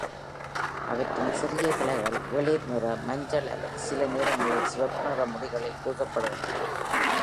அவற்றின் சிறிய கிளைகள் வெளிர் நிற, மஞ்சள் அல்லது சில நேரங்களில் சிவப்பு நிற முடிகளில் பூசப்படுகின்றன.